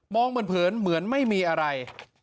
มองเหมือนเพลินเหมือนไม่มีอะไร